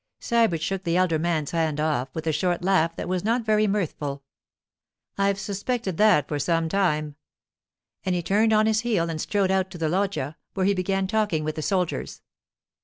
Sybert shook the elder man's hand off, with a short laugh that was not very mirthful. 'I've suspected that for some time.' And he turned on his heel and strode out to the loggia, where he began talking with the soldiers.